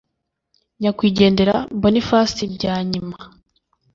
nyakwigendera Boniface Byanyima